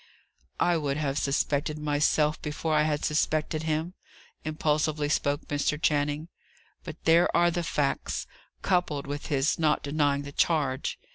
"I would have suspected myself before I had suspected him," impulsively spoke Mr. Channing. "But there are the facts, coupled with his not denying the charge.